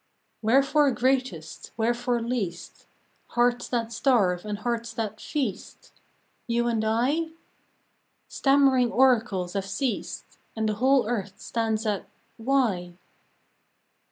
Wherefore greatest? Wherefore least? Hearts that starve and hearts that feast? You and I ? Stammering Oracles have ceased, And the whole earth stands at " Why